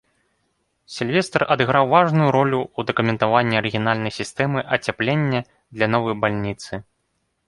Сільвестр адыграў важную ролю ў дакументаванні арыгінальнай сістэмы ацяплення для новай бальніцы.